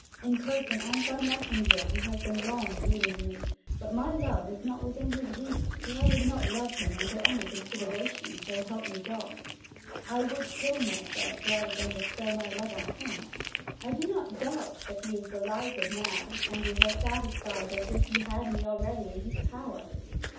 In person, and by messenger, he has been long wooing me. But my love is not within his reach, for I would not love him under any consideration, so help me God! I would kill myself rather than bestow my love on him. I do not doubt that he is delighted now, and is as satisfied as if he had me already in his power.